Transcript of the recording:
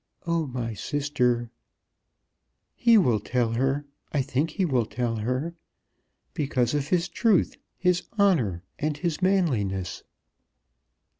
"Oh, my sister!" "He will tell her. I think he will tell her, because of his truth, his honour, and his manliness."